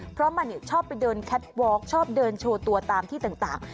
เพราะมันชอบไปเดินแคทวอล์กชอบเดินโชว์ตัวตามที่ต่าง